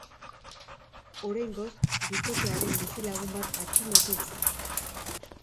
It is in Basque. Oraingoz, bikotearen bizilagun bat atxilotu dute.